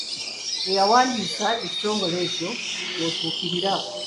Eyawandiisa ekitongole ekyo gw'otuukirira.